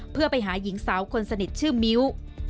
เพื่อไปหาหญิงสาวคนสนิทชื่อมิ้ว